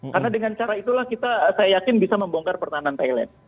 karena dengan cara itulah kita saya yakin bisa membongkar pertahanan thailand